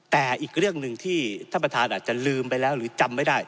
แต่อีกเรื่องหนึ่งที่ท่านประธานอาจจะลืมไปแล้วหรือจำไม่ได้